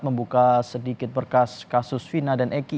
membuka sedikit berkas kasus vina dan eki